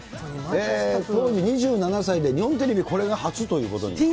当時２７歳で、日本テレビこれが初ということで。